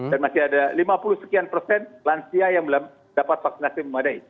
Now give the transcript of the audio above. dan masih ada lima puluh sekian persen lansia yang belum dapat vaksinasi memadai